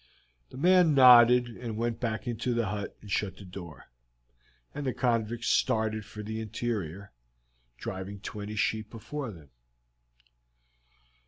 The man nodded and went back into the hut and shut the door, and the convicts started for the interior, driving twenty sheep before them.